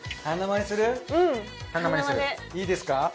いいですか？